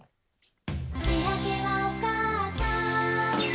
「しあげはおかあさん」